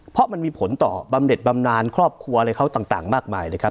เพราะมันมีผลต่อบำเด็ดบำนานครอบครัวอะไรเขาต่างมากมายเลยครับ